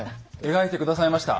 描いて下さいました。